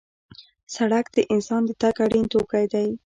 سړک د انسان د تګ اړین توکی دی.